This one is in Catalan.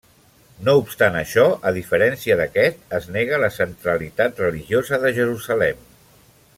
No obstant això, a diferència d'aquest, es nega la centralitat religiosa de Jerusalem.